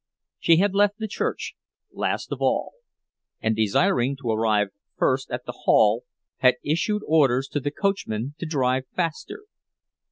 She had left the church last of all, and, desiring to arrive first at the hall, had issued orders to the coachman to drive faster.